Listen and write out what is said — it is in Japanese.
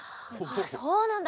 あそうなんだ。